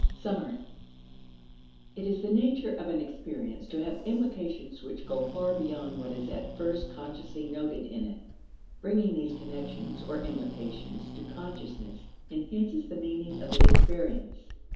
Summary. It is the nature of an experience to have implications which go far beyond what is at first consciously noted in it. Bringing these connections or implications to consciousness enhances the meaning of the experience.